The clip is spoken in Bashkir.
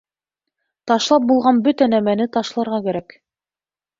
Ташлап булған бөтә нәмәне ташларға кәрәк.